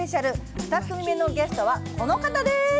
２組目のゲストはこの方です。